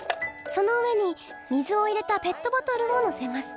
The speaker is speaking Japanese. その上に水を入れたペットボトルをのせます。